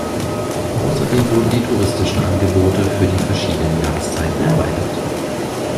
Außerdem wurden die touristischen Angebote für die verschiedenen Jahreszeiten erweitert.